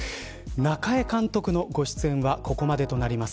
中江監督のご出演はここまでとなります。